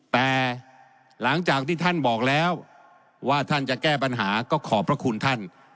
แต่หลังจากที่ท่านบอกแล้วว่าท่านจะแก้ปัญหาก็ขอบพระคุณท่าน